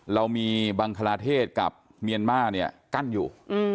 เรามีบังคลาเทศกับเมียนมาร์เนี่ยกั้นอยู่